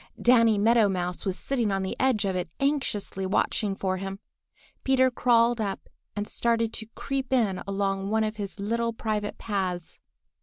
Danny Meadow Mouse was sitting on the edge of it anxiously watching for him. Peter crawled up and started to creep in along one of his little private paths.